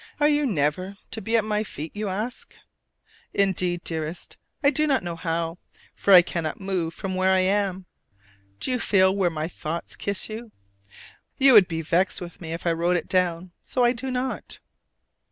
Are you never to be at my feet, you ask. Indeed, dearest, I do not know how, for I cannot move from where I am! Do you feel where my thoughts kiss you? You would be vexed with me if I wrote it down, so I do not.